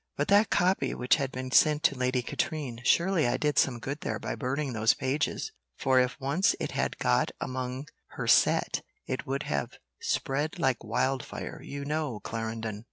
"But that copy which had been sent to Lady Katrine, surely I did some good there by burning those pages; for if once it had got among her set, it would have spread like wildfire, you know, Clarendon."